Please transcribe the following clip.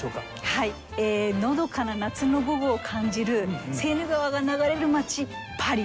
はいのどかな夏の午後を感じるセーヌ川が流れる街パリです。